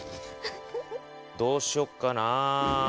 どうしよっかな。